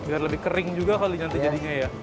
biar lebih kering juga kalau nanti jadinya ya